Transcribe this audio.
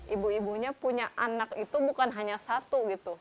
ibu ibunya punya anak itu bukan hanya satu gitu